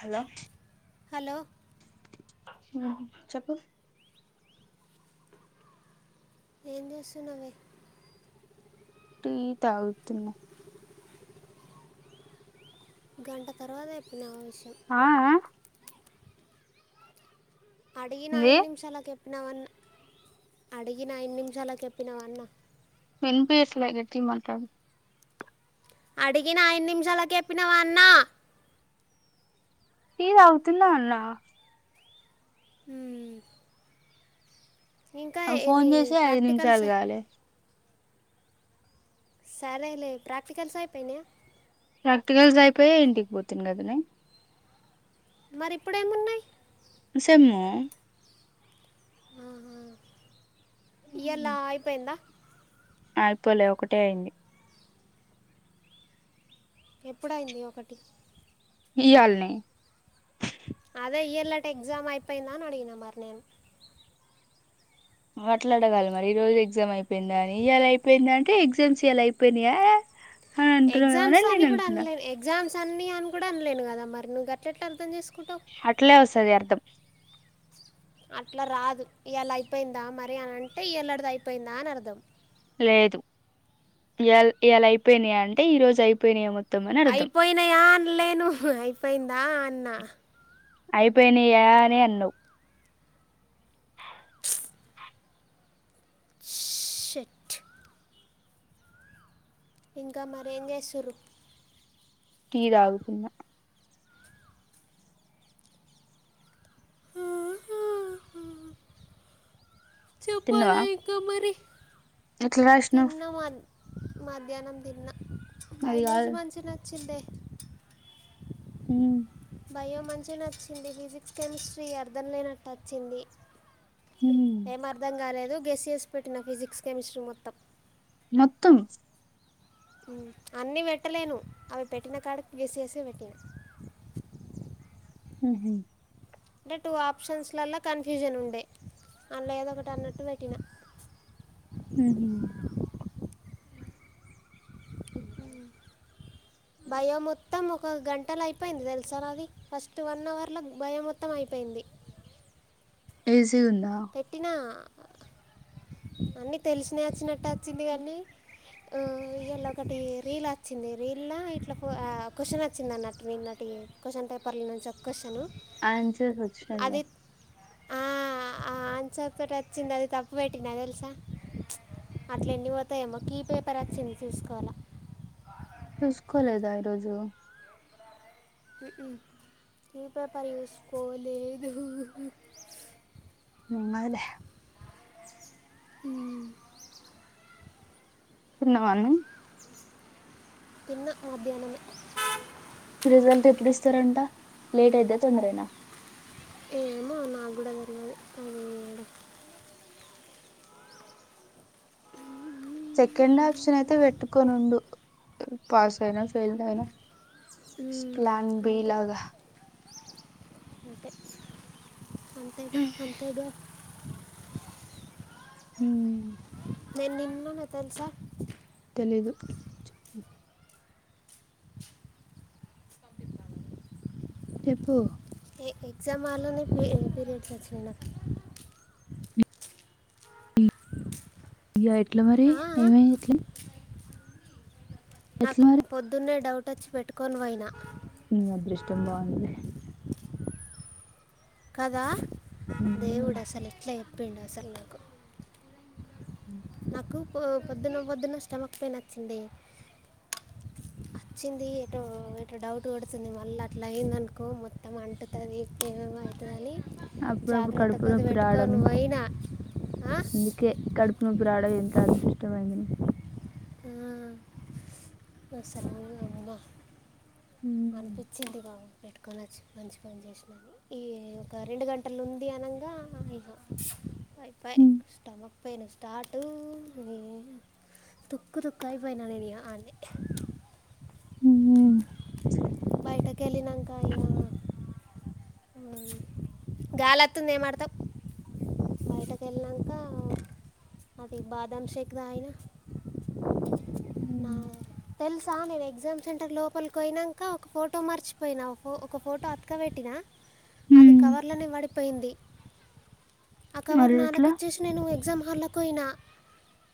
Hello hello ఆ చెప్పు ఏం చేస్తున్నావే టీ తాగుతున్నా గంట తర్వాత చేపినవ్ ఆ ఆ అడిగిన ఏంది ఐదు నిమిషాలకె నావవన్న అడిగిన ఐదు నిముషాలకి చెప్పినావన్న వినపియట్లే గట్టిగ మాట్లాడు అడిగిన ఐదు నిమిషాలకు చెప్పినవాన్నా టీ తాగుతున్న అన్న మ్మ్. ఇంకా నువ్ ఫోన్ ఎన్ని చేసి ఐదు ప్రాక్టికల్స్ నిమిషాలు అయి- కాలే సరేలే ప్రాక్టికల్స్ అయిపోయినాయ ప్రాక్టికల్స్ అయిపోయే ఇంటికి పోతుంది కదనే మరి ఇప్పుడేమున్నాయి సేమ్ ఇయ్యాల అయిపోయిందా అయిపోలే ఒకటే అయింది ఎప్పుడైంది ఒకటి ఇయ్యల్నే అదే ఇయ్యల్నే ఎగ్జామ్ అయిపోయిందా న అడిగిన మర్ నేను మాట్లాడగాలి మరి ఈ రోజు ఎగ్జామ్ అయిపోయిందా అని ఇ ఎలా అయిపోయింద అంటే ఎగ్జామ్స్ ఇలా అయిపోయినాయా అని ఎగ్జామ్స్ అంటున్నావేమోనని అన్ని నేను కూడా అనుకున్నా అలేను ఎగ్జామ్స్ అన్ని అని కూడా అనలేను కదా మరి నువ్వు గట్ట్లెట్ల అర్థం చేసుకో అట్లే వస్తది అర్ధం అట్లా రాదు ఇయ్యాల అయిపోయిందా మరి అ అంటే ఇల్ళడిది అయిపోయిందా అని అర్థం లేదు ఇయ ఇయ్యాల అయిపోయినాయా అంటే ఈ రోజు అయిపోయినాయి ఏమో అయిపోయినాయా అనలేను అయిపోయిందా అన్నా అయిపోయినయా అనే అన్నావ్ షట్ ఇంకా మరి ఎం చేస్తున్రు టీ తాగుతున్న తిన్నవా చెప్పాలా ఇంకా మరి ఎట్లా రాష్ణవ తిన్నా మధ్- మధ్యాహ్నం తిన్న అది బయలోజీ కాదు మంచి నచ్చిందే ఉ బయో మంచిగానే వచ్చింది ఫిజిక్స్ కెమిస్ట్రీ అర్థం లేనట్టు నచ్చింది ఏం అర్థం కాలేదు గెస్యస్ పెట్టిన ఫిజిక్స్ కెమిస్ట్రీ మొత్తం మొత్తం అన్నీ పెట్టలేను అవి పెట్టిన కాడకి గేసేసి పెట్టిను హుహ్ అంటే టూ ఆప్షన్స్లల కన్ఫ్యూజన్ ఉండే అందులో ఏదో ఒకటి అన్నట్టు పెట్టినా ఉహ్ అ బయో మొత్తం ఒక గంటల అయిపోయింది తెలుసా నాది ఫస్ట్ వన్ వన్ అవర్ ల బయో మొత్తం అయిపోయింది ఈజీ ఉందా పెట్టినా అన్ని తెలిసిన వచ్చినట్టు వచ్చింది కాన్ని ఉ ఇయ్యాల ఒకటి రీల్ వచ్చింది రీల్ ఇట్లా క్వశ్చన్ వచ్చిందిన్నటు మీ నటి క్వశ్చన్ పేపర్ ల నుంచి ఒక క్వశ్చన్ ఆన్సర్ వచ్చినవ ఆ ఆన్సర్ తోటి వచ్చింది అది తప్పు పెట్టిన తెలుసా అట్ల ఎన్ని పోతాయేమో కీ పేపర్ వచ్చింది చూసుకోవాల చూసుకోలేదా ఈరోజు ఉఉ కీ పేపర్ చేసుకోలేదు మాదే ఉ తిన్నావా అన్నం తిన్న మధ్యనమే రిజల్ట్ ఎప్పుడు ఇస్తారంట లేట్ అయితే తొందరేనా ఏ ఏమో నాకు కూడా తెలవదు ఉ సెకండ్ ఆప్షన్ అయితే పెట్టుకొనిండు పాస్ అయినా ఫెయిల్ అయినా మ్మ్. ప్లాన్ బి అంతే లాగా అంతే అంతేగా అంతేగా ఉమ్ నేను నిన్ననే తెలుసా తెలీదు చెప్పు ఎగ్జామ్ హాల్ లోనే ఎ పీరియడ్స్ వచ్చినాయి నాకు అయ్యో ఎట్లా మరి ఆ, ఏమ ఎట్లే నాకు పొద్దున్నే డౌట్ వచ్చి పెట్టుకొని పోయినా నీ అదృష్టం బాగుంది కదా దేవుడు అసలు ఎట్లా చెప్పిండు అసలు నాకు ఆ కు పొద్దున్న పొద్దున్న స్టమక్ పెయిన్ వచ్చింది వచ్చింది ఎటో ఎటో డౌట్ కొడుతుంది మళ్ళీ అట్లా అయ్యింది అనుకో మొత్తం అంటుతది ఎమ అప్పుడుప్పుడు కడుపు నోపి రావడం పెట్టుకొని పోయినా ఆ? అందుకే కడుపు నొప్పి రావడం ఎంత అదృష్టమైన ఆ అస్సల్ అమ్మ అనీపిచింది నాక్ పెట్టుకొనిచ్చు మంచి పని చేసినది ఈ ఒక రెండు గంటలు ఉంది అనగా ఇ పై పై ఉమ్, స్టమక్ పెయిన్ స్టార్ట్ తుక్కు తుక్కాపోయి ఇంకా అనే ఉమ్, బయటకేళి నాంకా ఇలా గాలత్తుంది ఏమ ఆడతావ్ బయటకు వెళ్లినంక అది బాదం షేక్ తాగిన ఉ నా తెలుసా నేను ఎగ్జామ్ సెంటర్ లోపలికి పోయినాక ఒక ఫోటో మర్చిపోయినా ఫ ఒక ఫోటో అతకబెట్టినా అది ఉమ్, కవర్లనే పడిపోయింది ఆ కవర్ మరి నాన్న ఎట్లా ఇచ్చేసి నేను ఎగ్జామ్ హాల్ల్లోకి పోయినా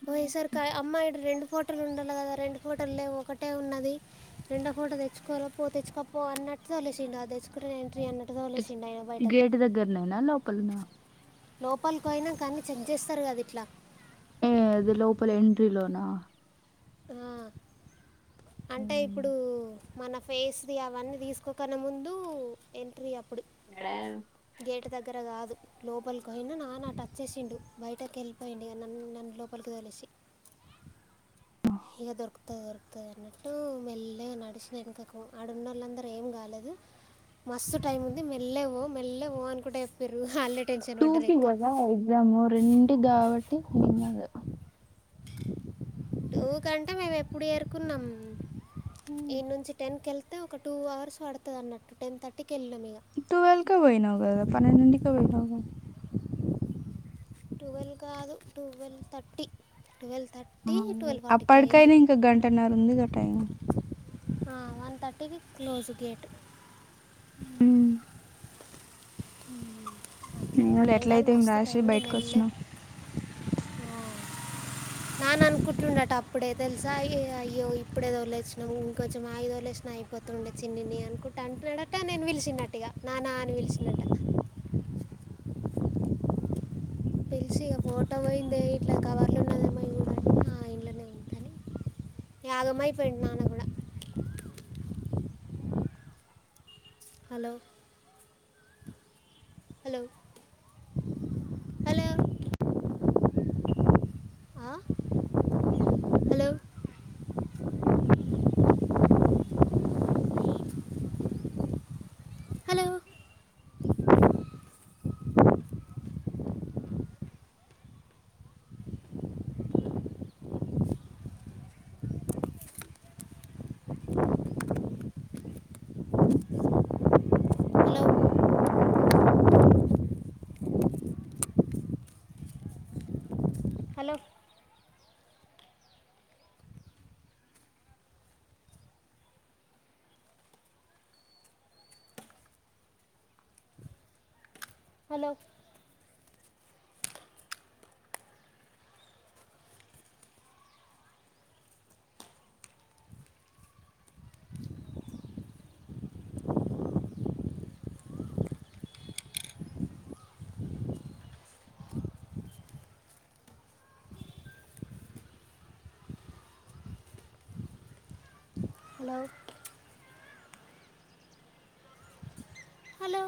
పోయేసరికి అమ్మాయిడు రెండు ఫోటోలు ఉండాలి కదా రెండు ఫోటోలు లెవ్ ఒకటే ఉన్నది రెండో ఫోటో తెచ్చుకోల పో తెచ్చుకోకపో అన్ అంట్సాలు ఎసిండు అది తెచ్చుకుంటే నేను ఎంట్రీ తోలేసిండు ఆయన బయటకు గేట్ దగ్గరనేనా లోపల ఉన్నవ లోపలికి పోయినంక అన్ని చెక్ చేస్తారు కదా ఇట్లా ఏ అది లోపలే ఎంట్రిలోనా ఆ అంటే ఇప్పుడు మన ఫేస్ అవన్నీ తీసుకోకనే ముందు ఎంట్రీ అప్పు ఇప్పుడు గేటు దగ్గర కాదు లోపలికి అయినా నాన్న టచ్ చేసిండు బయటకి వెళ్ళిపోయిడు నన్ను లోపలికి తెలిసి ఇక దొరుకుతు దొరుకుతుది అన్నట్టు మెల్లగా నడిచిన వెనకక ఆడున్న వాళ్ళందరూ ఏం కాలేదు మస్తు టైమ్ ఉంది మెల్లగా పో మెల్లగా పో అనుకుంట చెప్పారు అల్లె టూకి కదా ఎగ్జాము రెండింటికి కాబట్టి ఎంకదు టూ కంట మేము ఎప్పుడు ఎరుకున్నాం ఇడ్నుంచి టెన్ కెళ్తే ఒక టూ అవర్స్ పడతాడనట్టు టెన్ థర్టీ టవల్కె పోయినవుకదా పన్నెండికి పోయినవ్గా ట్వీల్వ్ కాదు ట్వల్వ్ థర్టీ ట్వెల్వ్ ఆ థర్టీ ట్వెల్వ్ ఫార్టీ ఫైవ్ అయింది అప్పటికైనా ఇంకా గంటన్నర ఉందిగా టైం ఆ వన్ థర్టీకీ క్లోజ్ గేట్ ఉ ఏంకాదుఎట్ల అయితే ఏం రాసి బైటకొచ్చినవ్ ఓ నాన్న అనుకుంటుండట అప్పుడే తెలుసా అయ్యో ఇప్పుడేదో తొలిచినాము ఇంకొంచెం ఆగి తొలెసిన అయిపో తుండే చిన్నిని అనుకుంట అంటుడట నేను పిలిచినట్టుగా నాన్న అని పిలిచి పిల్సి ఇక ఫోటో పోయిందే ఇట్లా కవర్లు ఉన్నదేమ ఆ ఇంట్లోనే ఉంది ఇగ ఆగంమైపోయిడు నాన్న కూడా హలో హలో హలో ఆ hello hello hello hello hello hello